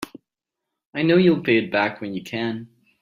I know you'll pay it back when you can.